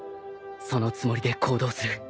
そのつもりで行動する。